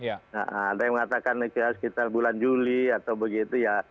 ada yang mengatakan sekitar bulan juli atau begitu ya